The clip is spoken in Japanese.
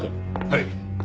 はい。